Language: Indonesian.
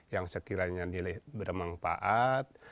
yang sekiranya nilai bermanfaat